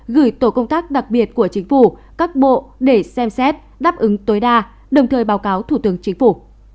gửi tổ công tác đặc biệt của chính phủ các bộ để xem xét đáp ứng tối đa đồng thời báo cáo thủ tướng chính phủ